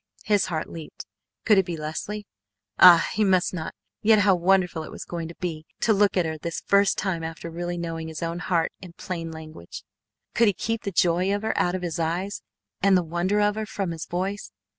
His heart leaped. Could it be Leslie? Ah! He must not yet how wonderful it was going to be to look at her this first time after really knowing his own heart in plain language. Could he keep the joy of her out of his eyes, and the wonder of her from his voice?